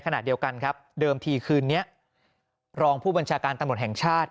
ขณะเดียวกันครับเดิมทีคืนนี้รองผู้บัญชาการตำรวจแห่งชาติ